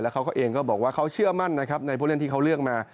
แล้วเขาเองก็บอกว่าเขาเชื่อมั่นในผู้เล่นที่เขาเลือกมา